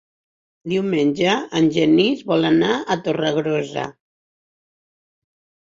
Diumenge en Genís vol anar a Torregrossa.